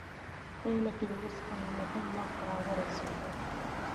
په پایله کې د اوسپنې مهم وخت راورسید.